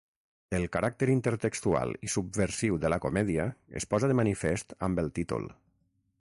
El caràcter intertextual i subversiu de la comèdia es posa de manifest amb el títol.